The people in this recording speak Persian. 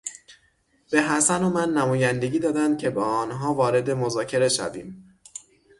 به حسن و من نمایندگی دادند که با آنها وارد مذاکره شویم.